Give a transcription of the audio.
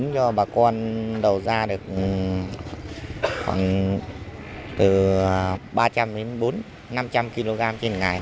đầu ra được khoảng từ ba trăm linh đến bốn trăm linh năm trăm linh kg trên ngày